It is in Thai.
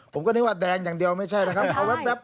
ผมก็นึกว่าแดงอย่างเดียวไม่ใช่นะครับเอาแว๊บ